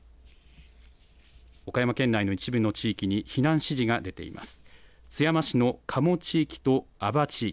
岡山県内の一部の地域に避難指示が出ています。